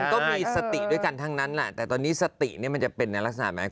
ก็มีสติด้วยกันทั้งนั้นแหละแต่ตอนนี้สติเนี่ยมันจะเป็นในลักษณะไหม